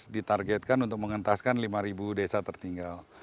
ditargetkan untuk mengentaskan lima desa tertinggal